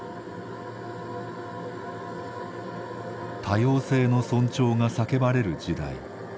多様性の尊重が叫ばれる時代。